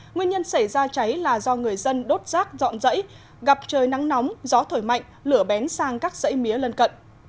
nguyên nhân xảy ra cháy là do người dân đốt rác dọn dãy gặp trời nắng nóng gió thổi mạnh lửa bén sang các dãy mía lân cận